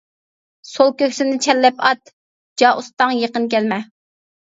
سول كۆكسۈمنى چەنلەپ ئات، جا ئۇستاڭ يېقىن كەلمە.